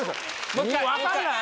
分かんない？